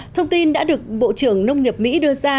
thông tin đã được bộ trưởng nông nghiệp mỹ đưa ra